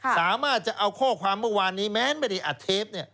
สามารถจะเอาข้อความเมื่อวานนี้แม้นไปเนี่ยอัดเทปเนี่ย